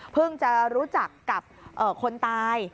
เพิ่งจะรู้จักกับคนตาย